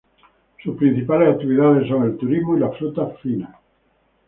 Sus principales actividades son el turismo y las frutas finas.